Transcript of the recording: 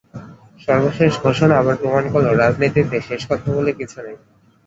সর্বশেষ ঘোষণা আবার প্রমাণ করল, রাজনীতিতে শেষ কথা বলে কিছু নেই।